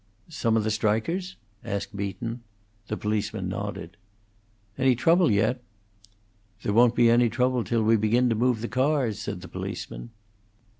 "Some of the strikers?" asked Beaton. The policeman nodded. "Any trouble yet?" "There won't be any trouble till we begin to move the cars," said the policeman.